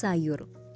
sudah lebih dari cukup